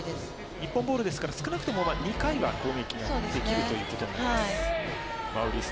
日本ボールですから少なくとも２回は攻撃ができるということになります。